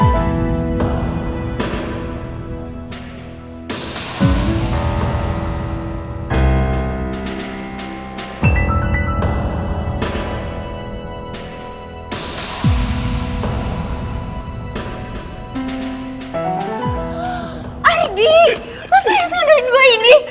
kok serius ngaduin gue ini